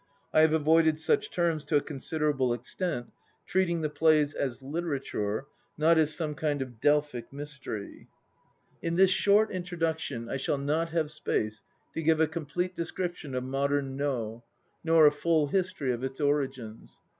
I have avoided such terms to a consider able extent, treating the plays as literature, not as some kind of Delphic mystery. 17 18 INTRODUCTION In this short introduction I shall not have space to give a complete description of modern No, nor a full history of its origins.